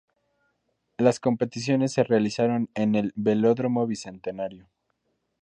Las competiciones se realizaron en el Velódromo Bicentenario.